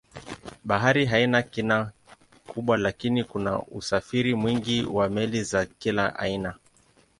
Bahari haina kina kubwa lakini kuna usafiri mwingi wa meli za kila aina.